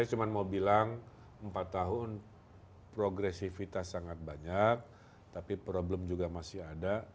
saya cuma mau bilang empat tahun progresivitas sangat banyak tapi problem juga masih ada